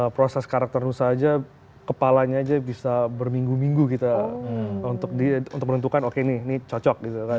proses karakter nusa aja kepalanya aja bisa berminggu minggu kita untuk menentukan oke nih ini cocok gitu kan